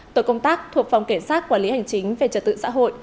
tội công tác thuộc phòng kiểm soát quản lý hành chính về trật tự xã hội